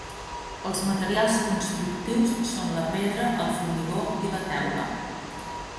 Els materials constructius són la pedra, el formigó i la teula.